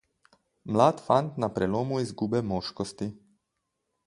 Mlad fant na prelomu izgube moškosti.